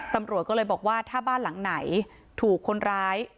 ตำรวจก็เลยบอกว่าถ้าบ้านหลังไหนถูกคนร้าย